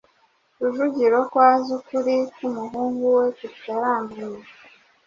Rujugiro ko azi ukuri kumuhungu we tutaramenya.